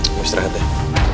kamu istirahat deh